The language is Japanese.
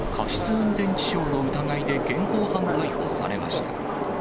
運転致傷の疑いで現行犯逮捕されました。